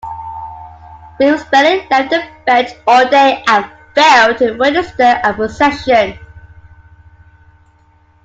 Beams barely left the bench all day and failed to register a possession.